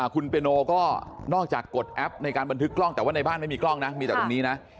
คุณเปียโนก็นอกจากกดแอปในการบันทึกกล้องแต่ว่าในบ้านไม่มีกล้องนะมีแต่ตรงนี้นะ